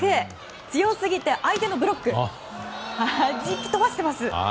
強すぎて、相手のブロックはじき飛ばしています。